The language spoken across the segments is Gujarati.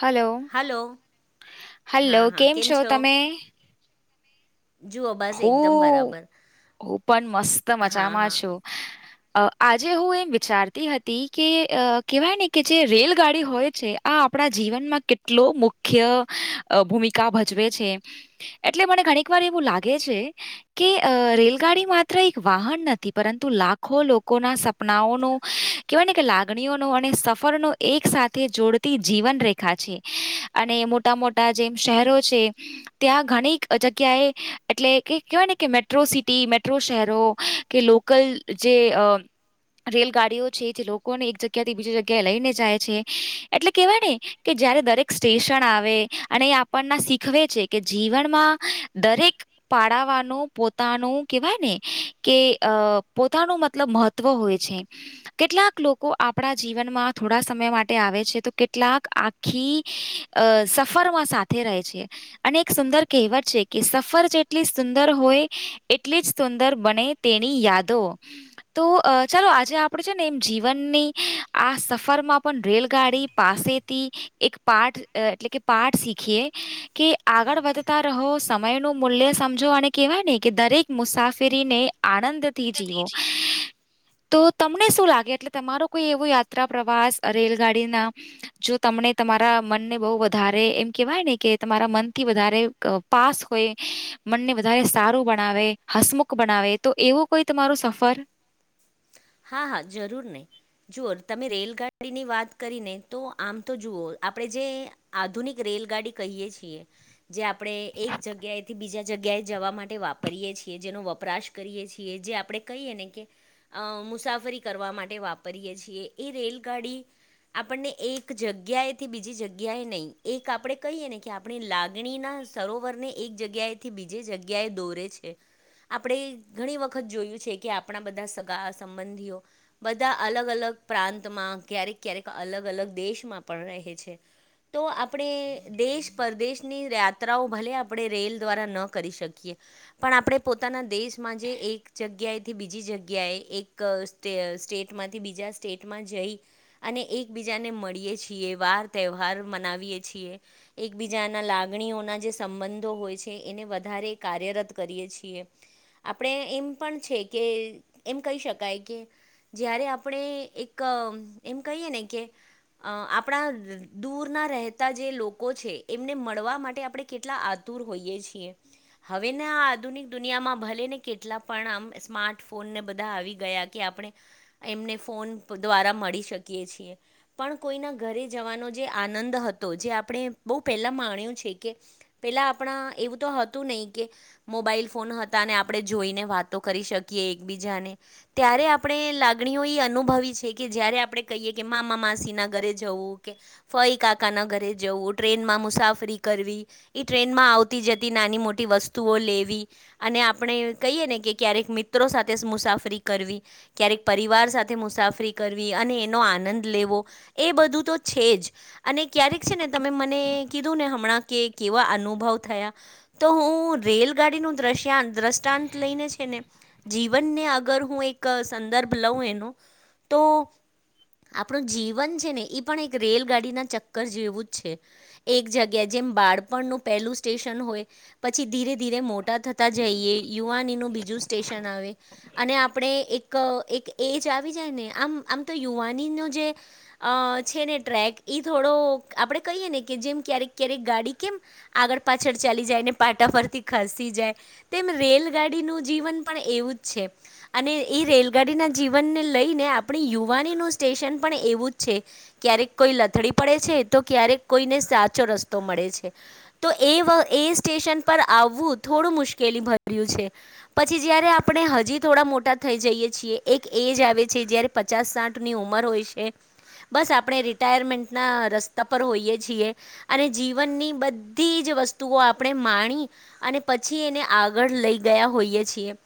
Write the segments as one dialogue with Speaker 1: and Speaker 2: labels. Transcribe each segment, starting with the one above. Speaker 1: હલો
Speaker 2: હલો
Speaker 1: હલો કેમ છો તમે.
Speaker 2: જુઓ બસ એકદમ
Speaker 1: હું
Speaker 2: બરાબર
Speaker 1: હું પણ મસ્ત
Speaker 2: હા
Speaker 1: મજામાં છું.
Speaker 2: [unintelligible]
Speaker 1: અ આજે હું એમ વિચાર તી હતી કે અ કેહેવાય ને કે જે રેલગાડી હોય છે. આ આપણા જીવનમાં કેટલો મુખ્ય અ ભૂમિકા ભજવે છે. એટલે મને ઘણીક વાર એવું લાગે છે. કે અ રેલગાડી માત્ર એક વાહન નથી પરંતુ લાખો લોકોના સપનાઓનો કેવાય ને કે લાગણીઓનો અને સફરનો એક સાથે જોડતી જીવન રેખા છે. અને મોટા મોટા જેમ શહેરો છે ત્યાં ઘણીક જગ્યાએ એટલે કે કહેવાય ને કે મેટ્રો સિટી મેટ્રો શહેરો કે લોકલ જે અ રેલગાડીઓ છે જે લોકોને એક જગ્યાથી બીજી જગ્યાએ લઈને જાય છે એટલે કેવાય ને કે જયારે દરેક સ્ટેશન આવે અને એ આપણને શીખવે છે કે જીવનમાં દરેક પાળવાનું પોતાનું કેવાય ને કે અ પોતાનું મતલબ મહત્વ હોય છે. કેટલાક લોકો આપણા જીવનમાં થોડા સમય માટે આવે છે તો કેટલાક આખ આખી અ સફરમાં સાથે રહે છે. અને એક સુંદર કહેવત છે કે સફર જે એટલી સુંદર હોય એટલી જ સુંદર બને તેની યાદો. તો ચાલો આજે આપડે છે ને એમ જીવનની આ સફરમાં પણ રેલગાડી પાસેથી. એક પાઠ એટલે કે પાઠ શીખીએ કે આગળ વધતા રહો સમયનું મૂલ્ય સમજો અને કહેવાય ને કે દરેક મુસાફરીને આનંદથી જીવો. તો તમને શું લાગે એટલે તમારો કોઈ એવો યાત્રા પ્રવાસ રેલગાડીના જો તમને તમારા મનને બવ વધારે એમ કેવાય ને કે તમારા મનથી વધારે ક પાસ હોય. મનને વધારે સારું બનાવે હસમુખ બનાવે તો એવું કોઈ તમારું સફર.
Speaker 2: હા હા જરૂર ને. જુઓ તમે રેલગાડીની વાત કરીને તો આમ તો જુઓ આપણેે જે આધુનિક રેલગાડી કહીએ છીએ જે આપણે એક જગ્યાએથી બીજા જગ્યાએ જવા માટે વાપરીએ છીએ જેનો વપરાશ કરીએ છીએ જે આપણે કહીએ ને કે અ મુસાફરી કરવા માટે વાપરીએ છીએ એ રેલગાડી આપણને એક જગ્યાએથી બીજી જગ્યાએ નહી એક આપડે કહીએ ને કે આપ આપણી લાગણીના સરોવરને એક જગ્યાએથી બીજે જગ્યાએ દોરે છે. આપણે ઘણી વખત જોયું છે કે આપણા બધા સગા સંબંધીઓ. બધા અલગ અલગ પ્રાંતમાં ક્યારેક ક્યારેક અલગ અલગ દેશમાં પણ રહે છે. તો આપણે દેશ પરદેશની યાત્રાઓ ભલે આપણે રેલ દ્વારા ન કરી શકીએ. પણ આપણે પોતાના દેશમાં જે એક જગ્યાએથી બીજી જગ્યાએ એક ક સ્ટે સ્ટેટમાંથી બીજા સ્ટેટમાં જઈ અને એકબીજાને મળીએ છીએ વાર તહેવાર મનાવીએે છીએ. એકબીજાના લાગણીઓના જે સંબંધો હોય છે એને વધારે કાર્યરત કરીએ છીએ. આપણે એમ પણ છે કે એમ કહી શક શકાય કે જયારે આપણે એક એમ કહીએ ને કે અ આપણા દૂરના રહેતા જે લોકો છે એમને મળવા માટે આપડે કેટલા આતુર હોઈએ છીએ. હવે ને આ આધુનિક દુનિયામાં ભલે ને કેટલા પણ આમ સ્માર્ટ ફોનને બધા આવી ગયા કે આપણે એમને ફોન દ્વારા મળી શકીએ છીએ. પણ કોઈના ઘરે જવાનો જે આનંદ હતો જે આપણે બહ પહેલા માણ્યું છે કે પેલા આપણા એવું તો હતું નહી કે મોબાઈલ ફોન હતા ને આપણે જોઈને વાતો કરી શકીએ એકબીજાને. ત્યારે આપણે લાગણીઓ એ અનુભવી છે કે જ્યારે આપણે કહીએ કે મામા માસીના ઘરે જવું કે ફઈ કાકાના ઘરે જવું ટ્રેનમાં મુસાફરી કરવી. ઈ ટ્રેન માં આવતી જતી નાની મોટી વસ્તુઓ લેવી. અને આપણે કહીએ ને કે ક્યારેક મિત્રો સાથે જ મુસાફરી કરવી ક્યારેક પરિવાર સાથે મુસાફરી કરવી અને એનો આનંદ લેવો એ બધું તો છે જ અને ક્યારેક છે ને તમે મને કીધું ને હમણાં કે કેવા અનુભવ થયા તો હું રેલગાડીનું દ્રશિયાન દ્રષ્ટાંત લઈને છે ને જીવનને અગર હું એક સંદર્ભ લઉં એનો તો આપણું જીવન છે ને પણ એક રેલગાડીના ચક્કર જેવું જ છે. એક જગ્યા જેમ બાળપણનું પહેલું સ્ટેશન હોય પછી ધીરે ધીરે મોટા થતા જઈએ યુવાનીનું બીજું સ્ટેશન આવે. અને આપણે એક એક એજ આવી જાય ને આમ આમ તો યુવાનીનો જે અ છે ને ટ્રેક એ થોડો આપણે કહીએ ને કે જેમ ક્યારેક ક્યારેક ગાડી કેમ આગળ પાછળ ચાલી જાય ને પાટા પરથી ખસી જાય. તેમ રેલગાડીનું જીવન પણ એવું જ છે. અને એ રેલગાડીના જીવનને લઈને આપણી યુવાનીનું સ્ટેશન પણ એવું જ છે. ક્યારેક કોઈ લથડી પડે છે તો ક્યારેક કોઈને સાચો રસ્તો મળે છે. તો એ એ સ્ટેશન પર આવવું થોડું મુશ્કેલી ભર્યું છે. પછી જયારે આપણે હજી થોડા મોટા થઈ જઈએ છીએ એક એજ આવે છે જયારે પચાસ સાઠ ની ઉંમર હોય છે. બસ આપણે રિટાયરમેન્ટના રસ્તા પર હોઈએ છીએ. અને જીવનની બધી જ વસ્તુઓ આપણે માણી અને પછી એને આગળ લઈ ગયા હોઈએ છીએ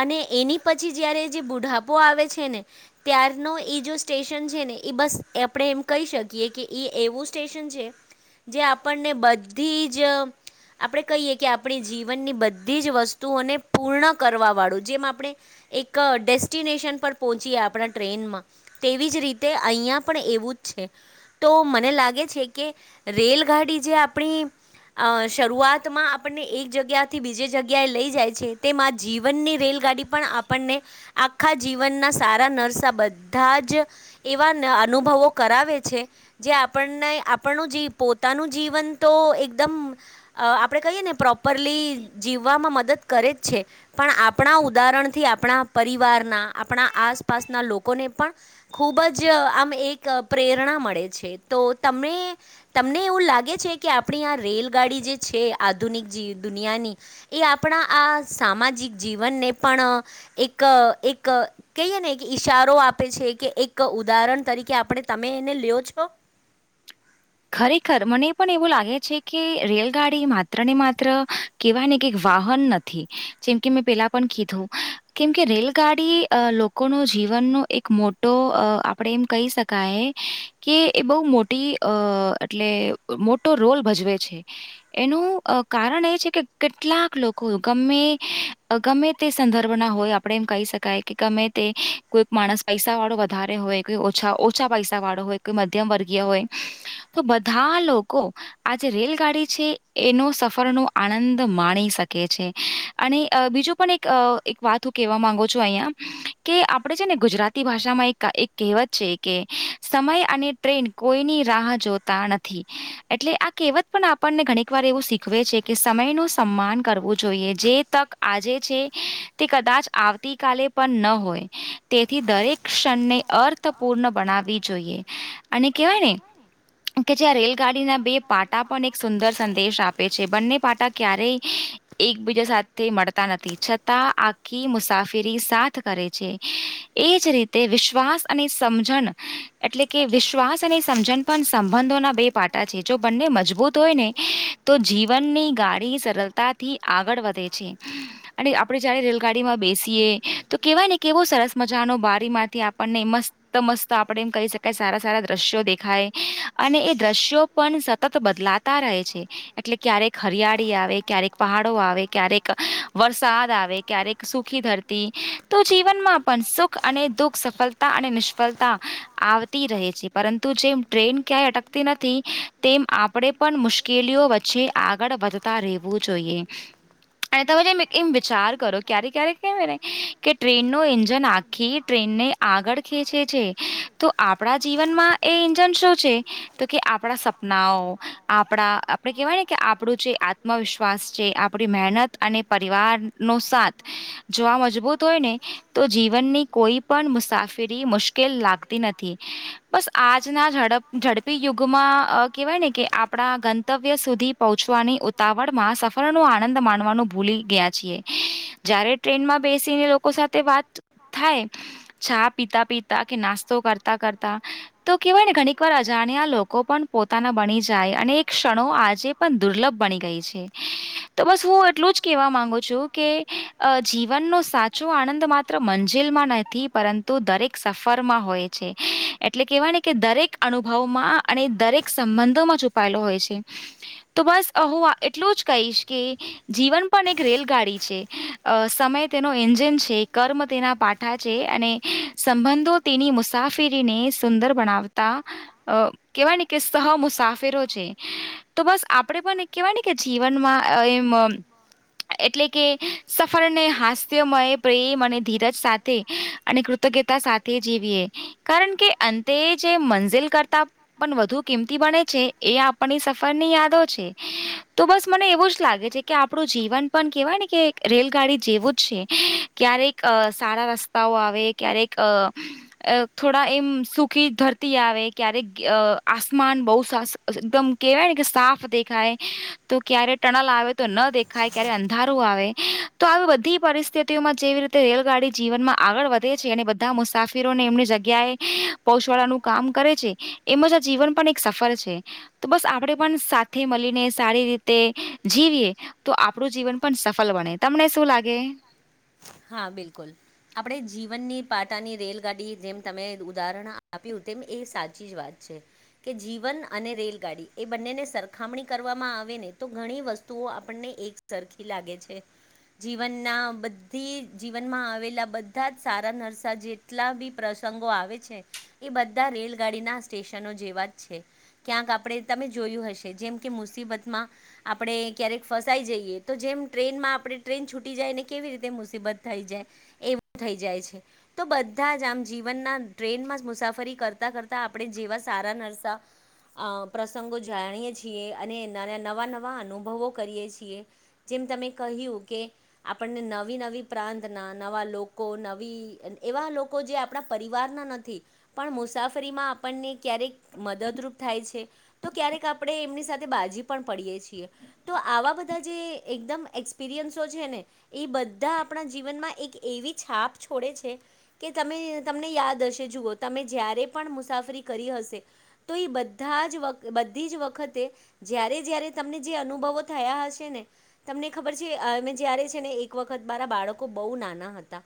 Speaker 2: અને એની પછી જયારે જે બુઢાપો આવે છે ને ત્યારનો એ જો સ્ટેશન છે ને એ બસ આપણે એમ કહી શકીએ કે એ એવું સ્ટેશન છે જે આપણને બધી જ આપણે કહીએ કે આપણી જીવનની બધી જ વસ્તુઓને પૂર્ણ કરવા વાળું જેમ આપણે એક ડેસ્ટિનેશન પર પહોંચીએ આપણા ટ્રેનમાં તેવી જ રીતે અહીયાંયા પણ એવું જ છે. તો મને લાગે છે કે રેલગાડી જે આપણી અ શરૂઆતમાં આપણને એક જગ્યાથી બીજે જગ્યાએ લઈ જાય છે. તેમાં જીવનની રેલગાડી પણ આપણને આખા જીવનના સારા નરસા બધા જ એવા અનુભવો કરાવે છે જે આપણને આપણનું જ પોતાનું જીવન તો એકદમ અ આપણે કહીએ ને પ્રોપરલી જીવવામાં મદદ કરે જ છે પણ આપણા ઉદાહરણ થી આપણા પરિવારના આપણા આસપાસના લોકોને પણ ખૂબ જ આમ એક પ્રેરણા મળે છે તો તમે તમને એવું લાગે છે કે આપણી આ રેલગાડી જે છે આધુનિક જે દુનિયાની એ આપણા આ સામાજિક જીવનને પણ એક એક કહીએ ને કે ઈશારો આપે છે કે એક ઉદાહરણ તરીકે આપણે તમે એને લ્યો છો.
Speaker 1: ખરેખર મને પણ એવું લાગે છે કે રેલગાડી માત્ર ને માત્ર કેવાય કે વાહન નથી જેમ કે મેં પેલા પણ કીધું કેમ કે રેલગાડી લોકોનો જીવનનો એક મોટો આપણે એમ કહી શકાય. કે એ બહુ મોટી અ એટલે મોટો રોલ ભજવે છે. એનું કારણ એ છે કે કેટલાક લોકો ગમે ગમે તે સંદર્ભના હોય આપણેે એમ કહી શકાય કે ગમે તે કોઈક માણસ પૈસા વાળો વધારે હોય. કોઈ ઓછા, ઓછા પૈસા વાળો હોય, કોઈ મધ્યમ વર્ગીય હોય. તો બધા લોકો આજે રેલગાડી છે, એનો સફરનો આનંદ માણી શકે છે. અને બીજું પણ એક એક વાત હું કહેવા માંગુ છું અહિયા, કે આપણે છે ને ગુજરાતી ભાષામાં એક એક કહેવત છે કે સમય અને ટ્રેન કોઈની રાહ જોતા નથી. એટલે આ કહેવત પણ આપણને ઘણીક વાર એવું શીખવે છે. કે સમયનું સન્માન કરવું જોઈએ. જે તક આજે છે, તે કદાચ આવતી કાલે- પણ ન હોય, તેથી દરેક ક્ષણને અર્થપૂર્ણ બનાવી જોઈએ. અને કવાયને કે જ્યાં રેલગાડીના બે પાટા પણ એક સુંદર સંદેશ આપે છે. બંને પાટા ક્યારેય એકબીજા સાથે મળતા નથી, છતાં આખી મુસાફિરી સાથ કરે છે. એ જ રીતે વિશ્વાસ અને સમજણ, એટલે કે વિશ્વાસ અને સમજણ પણ સંબંધોના બે પાટા છે. જો બંને મજબૂત હોય ને, તો જીવનની ગાડી સરળતા થી આગળ વધે છે. અને આપણે જયારે રેલગાડીમાં બેસીએ તો કેવાય ને કેવો સરસ મજાનો બારીમાંથી આપણને મસ્ત મસ્ત આપણેે એમ કહી શકાય. સારા સારા દ્રશ્યો દેખાય અને દ્રશ્યો પણ સતત બદલાતા રહે છે. એટલે ક્યારેક હરિયાળી આવે ક્યારેક પહાડો આવે, ક્યારેક વરસાદ આવે, ક્યારેક સુખી ધરતી તો જીવનમાં પણ સુખ અને દુઃખ સફળતા અને નિષ્ફળતા આવતી રહે છે. પરંતુ જેમ ટ્રેન ક્યાંય અટકતી નથી, તેમ આપણે પણ મુશ્કે કેલીઓ વચ્ચે આગળ વધતા રહેવું જોઈએ. અને તમે જેમ એમ વિચાર કરો ક્યારે ક્યારેક કે, કે ટ્રેનો ઇંજન આખી ટ્રેનને આગળ ખેંચે છે તો આપણા જીવનમાં એ ઇજન શું છે? તો કે આપણા સપનાઓ, આપણા આપણે કેવાય ને કે આપણું જે આત્મ વિશ્વાસ છે. આપણી મહેનત અને પરિવાર નો સાથ જોવા મજબૂત હોય ને તો જીવનની કોઈ પણ મુસાફરી મુશ્કે કે લાગતી નથી. બસ આજના ઝડપ, ઝડપી યુગમાં કેવાય ને કે- આપણા ગંતવ્ય સુધી પહોંચવાની ઉતાવળમાં સફળ પણ આનંદ માનવાનું ભૂલી ગયા છીએ. જયારે ટ્રેનમાં બેસીને લોકો સાથે વાત થાય. ચા પીતા પીતા કે નાસ્તો કરતા કરતા. તો કહેવાયને ઘણીક વાર અજાણ્યા લોકો પણ પોતાના બની જાય અને એક ક્ષણો આજે પણ દુર્લભ બની ગઈ છે તો બસ હું એટલું જ કેવા માંગુ છું કે અ જીવનનો સાચો આનંદ માત્ર મંજિલમાં નથી, પરંતુ દરેક સફરમાં હોય. એટલે કેવાની દરેક અનુભવમાં અને દરેક સંબંધોમાં છુપાયેલો હોય છે. તો બસ હું એટલું જ કહીશ કે જીવન પણ એક રેલગાડી છે. સમય તેનો એન્જિન છે. કર્મ તેના પા ટા છે અને સંબંધો તેની મુસાફરીને સુંદર બનાવતા અ કેવાયને કે સહ મુસાફરો છે. તો બસ આપણે પણ એક કેહેવાય કે જીવનમાં એમ- એટલે કે સફરને હાસ્યમય પ્રેમ અને ધીરજ સાથે અને કૃતજ્ઞતા સાથે જીવીએ. કારણ કે અંતે જે મંજિલ કરતા પણ વધુ કિંમતી બને છે એ આપણની સફરની યાદો છે, તો બસ મને એવું જ લાગે છે. કે આપણું જીવન પણ કેહેવાયને કે રેલગાડી જેવું જ છે. ક્યારેક સારા રસ્તા આવે ક્યારેક થોડા એમ સુખી ધતી આવે ક્યારેક આસમાન બહ એકદમ કેહેવાય ને કે સાફ દેખાય. તો ક્યારે ટનલ આવે તો ન દેખાય ક્યારે અંધારું આવે તો આવી બધી પરિસ્થિતિઓમાં જેવી રી રેલગાડી જીવનમાં આગળ વધે છે અને બધા મુસાફિરોને એમની જગ્યાએ પહોચવાળાનું કામ કરે છે એમજ આ જીવન પણ એક સફર છે. તો બસ આપણેે પણ સાથે મલીને સારી રીતે જીવીએ. તો આપણું જીવન પણ સફલ બને. તમને શું લાગે?
Speaker 2: હા બિલકુલ આપણે જીવનની પાટાની રેલગાડી જેમ તમે ઉદાહરણ આપ્યું તેમ એ સાચી જ વાત છે. કે જીવન અને રેલગાડી એ બંનેને સરખામણી કરવામાં આવે ને તો ઘણી વસ્તુઓ આપણને એક- સરખી લાગે છે જીવન ના બ- થી જીવનમાં આવેલા બધા જ સારા નરસા જેટલા બી પ્રસંગો આવે છે- એ બધા રેલગાડીના સ્ટેશનો જેવા જ છે. ક્યાંક આપણે તમે જોયું હશે જેમ કે મુસીબતમાં- આપણે ક્યારેક ફસાઈ જઈએ તો જેમ ટ્રેનમાં આપણે ટ્રેન છૂટી જાયને કેવી રીતે- મુસીબત થઈ જાય એ-વું થઈ જાય છે. તો બધા જ આમ જીવનના ટ્રેનમાંજ મુસાફરી કરતાં કરતાં આપણે જેવા સારા નરસા- અ પ્રસંગો જાણીએ છીએ અને નર નવા નવા અનુભવો કરીએ છીએ. જેમ તમે કહ્યું કે આપણને ન- નવી નવી પ્રાંતના નવા લોકો નવી એવા લોકો જે આપણા પરિવારના નથી પણ મુસાફરીમાં આપણને ક્યારેક મદદરૂપ થાય છે. તો ક્યારેક આપણે એમની સાથે બાજી પણ પડીયએ છીએ તો આવા બધા જે એકદમ એક્સપિરિયન્સો છે ને એ બ બધા આપણા જીવનમાં એક એવી છાપ છોડે છે. કે તમે તમને યાદ હશે જુઓ તમે જ્યારે પણ મુસાફરી કરી હશે તો એ બધા જ વ બધી જ વખતે જય્યારે જય્યારે તમને જે અનુભવો થયા હશે ને તમને ખબર છે અમે જય્યારે છે ને એક વખ વખત મારા બાળકો બહુ નાના હતા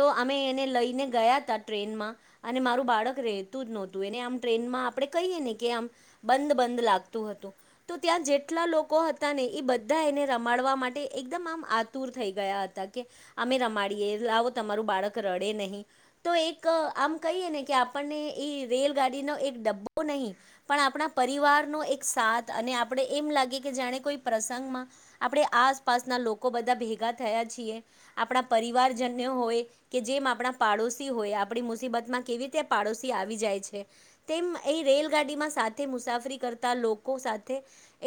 Speaker 2: તો અમે એને લઈને ગયા હતા ટ્રેનમાં અને મારું બાળક રેતુ જ નહોતું એને આમ ટ્રેનમાં આપડણે કહીએ ને કે આમ બંધ બંધ લાગતું હતું તો ત્યાં જેટલા લોકો હતા ને એ બધા એને રમાડવા માટે એકદમ આમ આતુર થઈ ગયા હતા કે અમે રમાડીએે લાવો તમારું બાળક રડે નહીં તો એક આમ કહીએ ને કે આપણને એ રેલગાડીનો એક ડબ્બો નહીં પણ આપણા પરિવારનો એક સાથ અને આપણે એમ લાગે કે જાણે કોઈ પ્રસંગમાં આપણે આસપાસના લોકો બધા ભેગા થયા છીએ આપણા પરિવારજન્ય હોય કે જેમ આપણા પાડોશી હોય આપણી મુસીબતમાં કેવી રીતે પાડોશી આવી જાય છે. તેમ એ રેલગાડીમાં સાથે મુસાફરી કરતા લોકો સાથે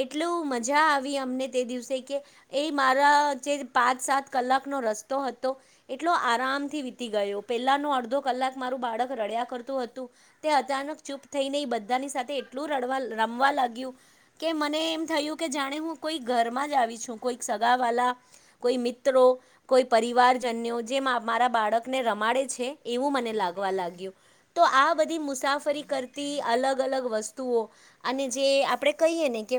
Speaker 2: એટલું મજા આવી અમને તે દિવસે કે એ મારા જે પાંચ સાત કલાકનો રસ્તો હતો એટલો આરામથી વીતી ગયો પેલાનો અડધો કલાક મારું બાળક રડ્યા કરતું હતું તે અચાનક ચૂપ થઈને બધાની સાથે એટલું રડવા રમવા લાગ્યું કે મને એમ થયું કે જાણે હું કોઈ ઘરમાં જ આવી છું કોઈ સગા વાલા કોઈ મિત્રો કોઈ પરિવારજન્યો જે મારા બાળકને રમાડે છે એવું મને લાગવા લાગ્યું. તો આ બધી મુસાફરી કરતી અલગ અલગ વસ્તુઓ અને જે આપડે કહીએ ને કે